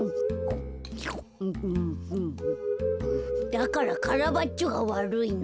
だからカラバッチョがわるいの。